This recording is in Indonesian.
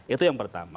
itu yang pertama